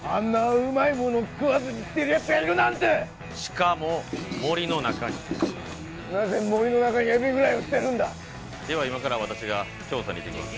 うまいものを食わずに捨てるやつがいるなんてしかも森の中になぜ森の中にエビフライを捨てるんだでは今から私が調査に行ってきます